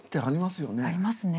ありますね。